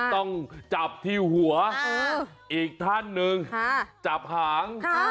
ต้องจับที่หัวอีกท่านหนึ่งจับหาง